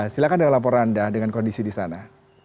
silahkan dengan laporan anda dengan kondisi di sana